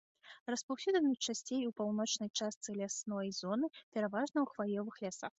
Распаўсюджаны часцей у паўночнай частцы лясной зоны, пераважна ў хваёвых лясах.